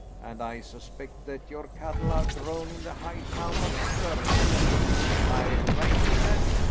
And I suspect that your cattle are grown in the high town of Stirling. Am I right in that?